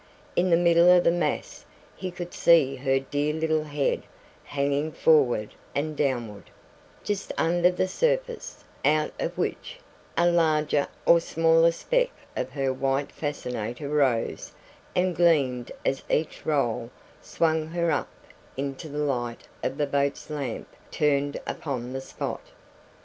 In the middle of the mass he could see her dear little head hanging forward and downward, just under the surface, out of which a larger or smaller speck of her white fascinator rose and gleamed as each roll swung her up into the light of the boat's lamp turned upon the spot.